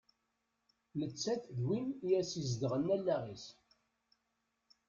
Nettat d win i as-izedɣen allaɣ-is.